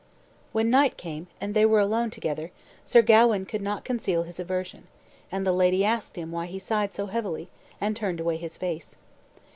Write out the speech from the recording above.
] When night came, and they were alone together, Sir Gawain could not conceal his aversion; and the lady asked him why he sighed so heavily, and turned away his face.